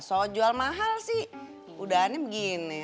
soal jual mahal sih udahannya begini